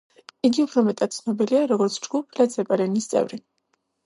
იგი უფრო მეტად ცნობილია, როგორც ჯგუფ ლედ ზეპელინის წევრი.